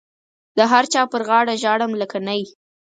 د هر چا پر غاړه ژاړم لکه نی.